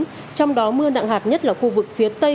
trong đó mưa nặng hạt nhất là khu vực phía tây